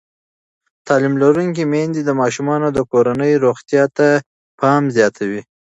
تعلیم لرونکې میندې د ماشومانو د کورنۍ روغتیا ته پام زیاتوي.